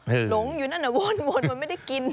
หลงอยู่นั่นน่ะวนมันไม่ได้กิน